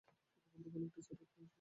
সত্যি বলতে, ভালো একটা সেট-আপ হয়েছে।